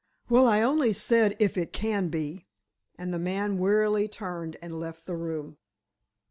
"Well, I only said, if it can be," and the man wearily turned and left the room.